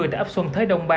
tại ấp xuân thế đông ba